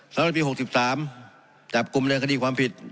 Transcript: สถานที่๖๓จากกลุ่มเรียนคดีความผิด